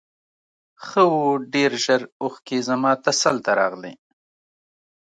ښه و ډېر ژر اوښکې زما تسل ته راغلې.